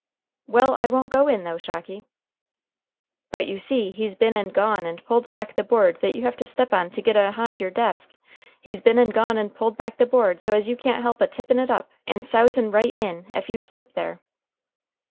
"Well, I won't go in, though, Shocky." "But, you see, he's been and gone and pulled back the board that you have to step on to git ahind your desk; he's been and gone and pulled back the board so as you can't help a tippin' it up, and a sowsin' right in ef you step there."